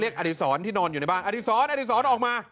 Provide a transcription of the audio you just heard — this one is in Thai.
เรียกอดิสรที่นอนอยู่ในบ้านอดิสรอดิสรออกมา